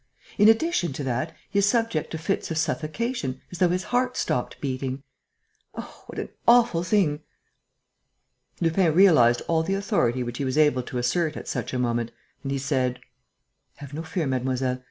In addition to that, he is subject to fits of suffocation, as though his heart stopped beating.... Oh, what an awful thing!" Lupin realized all the authority which he was able to assert at such a moment, and he said: "Have no fear, mademoiselle.